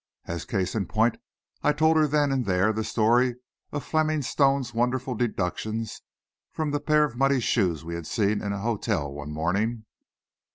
As a case in point, I told her then and there the story of Fleming Stone's wonderful deductions from the pair of muddy shoes we had seen in a hotel one morning.